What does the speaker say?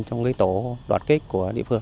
trong cái tổ đoàn kết của địa phương